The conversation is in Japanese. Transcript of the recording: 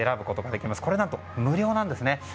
これ何と、無料なんです。